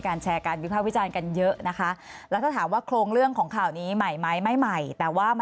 การท้าในการมมามาท้ารห้าลงทั้งไหนมีการท้าท้า